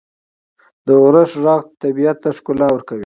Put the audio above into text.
• د اورښت ږغ طبیعت ته ښکلا ورکوي.